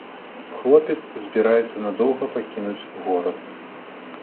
Хлопец збіраецца надоўга пакінуць горад.